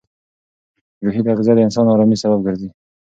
روحي تغذیه د انسان ارامۍ سبب ګرځي.